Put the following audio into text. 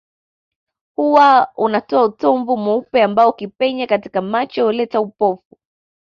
Huwa unatoa utomvu mweupe ambao ukipenya katika macho huleta upofu